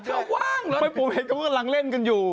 ว่างเหรอไม่ผมเห็นเขากำลังเล่นกันอยู่